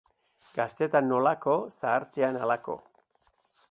Gaztetan nolako, zahartzean halako.